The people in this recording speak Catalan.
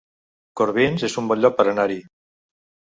Corbins es un bon lloc per anar-hi